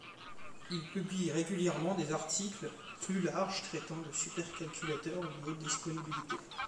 Il publie régulièrement des articles plus larges traitant de supercalculateurs ou de haute disponibilité.